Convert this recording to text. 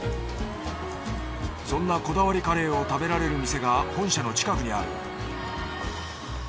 そんなこだわりカレーを食べられる店が本社の近くにある。